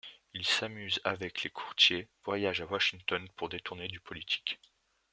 Ils s’amusent avec les courtiers, voyagent à Washington pour détourner du politique. ..